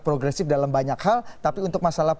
progresif dalam banyak hal tapi untuk masalah